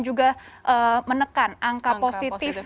juga menekan angka positif